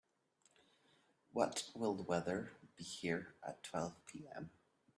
What will the weather be here at twelve P.m.?